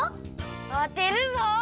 あてるぞ！